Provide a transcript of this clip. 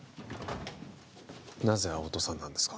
なぜ青戸さんなんですか？